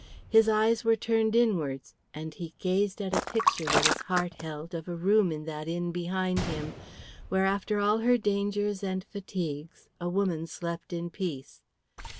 His eyes were turned inwards, and he gazed at a picture that his heart held of a room in that inn behind him, where after all her dangers and fatigues a woman slept in peace.